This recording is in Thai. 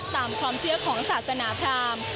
ตามความเชื่อของศาสนาพราม